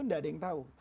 tidak ada yang tahu